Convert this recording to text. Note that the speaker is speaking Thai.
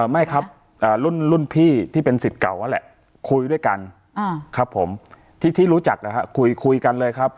ไม่ครับรุ่นพี่ที่เป็นสิทธิ์เก่านั่นแหละคุยด้วยกันครับผมที่รู้จักนะครับคุยกันเลยครับ